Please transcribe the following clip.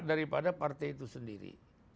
daripada partai itu sendiri